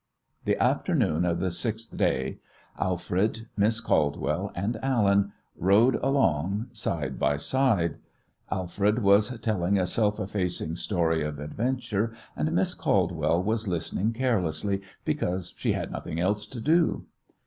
The afternoon of the sixth day Alfred, Miss Caldwell, and Allen rode along side by side. Alfred was telling a self effacing story of adventure, and Miss Caldwell was listening carelessly because she had nothing else to do.